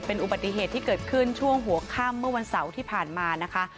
เป็นอุบัติเหตุที่เกิดขึ้นช่วงหัวค่ำเมื่อวันเสาร์ที่ผ่านมานะคะ